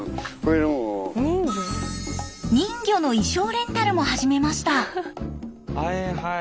人魚の衣装レンタルも始めました。